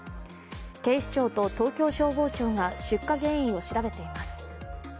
警視庁と東京消防庁が出火原因を調べています。